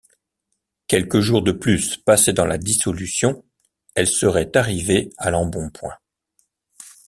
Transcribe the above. Quelques jours de plus passés dans la dissolution, elle serait arrivée à l’embonpoint.